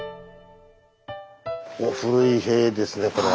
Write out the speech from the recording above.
おっ古い塀ですねこれは。